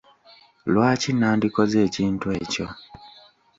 Lwaki nandikoze ekintu ekyo ?